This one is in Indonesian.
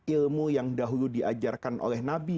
ilmu yang dahulu diajarkan oleh nabi